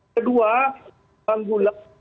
kedua bang gulat